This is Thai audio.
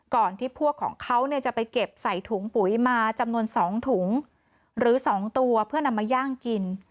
ที่พวกของเขาเนี่ยจะไปเก็บใส่ถุงปุ๋ยมาจำนวน๒ถุงหรือ๒ตัวเพื่อนำมาย่างกิน